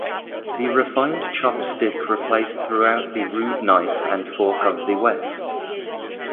The refined chopstick replaced throughout the rude knife and fork of the West.